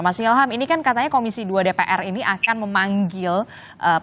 mas ilham ini kan katanya komisi dua dpr ini akan memanggil penyelenggaraan dari pdi perjuangan